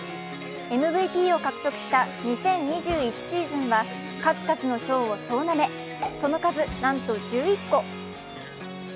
ＭＶＰを獲得した２０２１シーズンは数々の賞を総なめ、その数、なんと１１個。